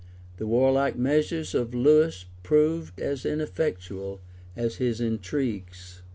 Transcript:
The warlike measures of Lewis proved as ineffectual as his intrigues.